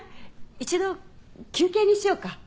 一度休憩にしようか。